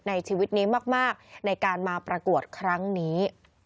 ในชีวิตนี้มากในการมาประกวดครั้งนี้